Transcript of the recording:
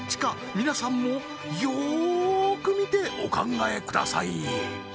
皆さんもよーく見てお考えください